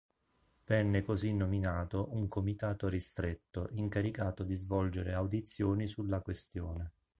Venne così nominato un "comitato ristretto" incaricato di svolgere audizioni sulla questione.